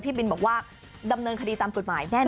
บินบอกว่าดำเนินคดีตามกฎหมายแน่น